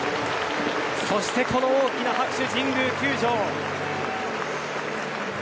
そして大きな拍手、神宮球場。